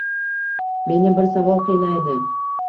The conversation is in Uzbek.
Meni bir savol qiynaydi